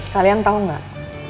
kalian tau gak